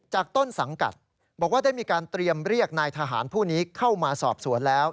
ต้นสังกัดบอกว่าได้มีการเตรียมเรียกนายทหารผู้นี้เข้ามาสอบสวนแล้ว